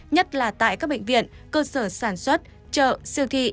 nhất là tại các bệnh viện cơ sở sản xuất chợ siêu thị